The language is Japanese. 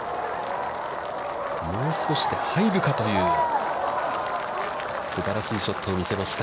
もう少しで入るかという、すばらしいショットを見せました。